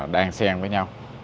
đang xen với nhau